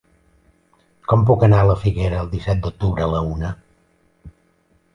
Com puc anar a la Figuera el disset d'octubre a la una?